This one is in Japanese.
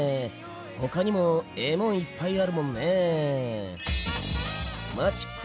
ほかにもええもんいっぱいあるもんね。